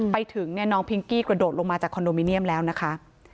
ไปถึงเนี่ยน้องพิงกี้กระโดดลงมาจากคอนโดมิเนียมแล้วนะคะ